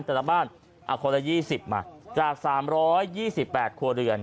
แต่ละบ้านอ่ะคนละยี่สิบมาจากสามร้อยยี่สิบแปดครัวเรือน